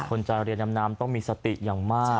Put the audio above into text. คนจะเรียนดำน้ำต้องมีสติอย่างมาก